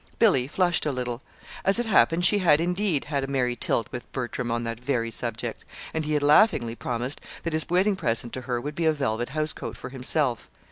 Billy flushed a little. As it happened, she had, indeed, had a merry tilt with Bertram on that very subject, and he had laughingly promised that his wedding present to her would be a velvet house coat for himself.